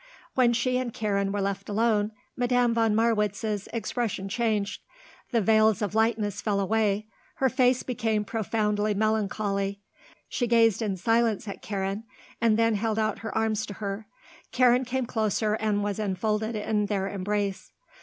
When she and Karen were left alone, Madame von Marwitz's expression changed. The veils of lightness fell away; her face became profoundly melancholy; she gazed in silence at Karen and then held out her arms to her; Karen came closer and was enfolded in their embrace.